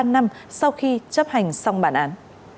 ba năm sau khi chấp hành xong bản án